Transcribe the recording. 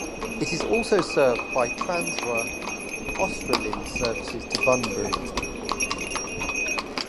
It is also served by Transwa "Australind" services to Bunbury.